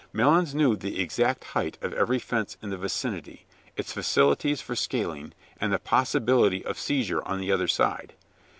Melons knew the exact height of every fence in the vicinity, its facilities for scaling, and the possibility of seizure on the other side.